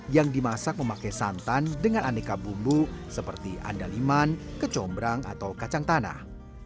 yang dimasak memakai santan dengan aneka bumbu seperti andaliman kecombrang atau kacang tanah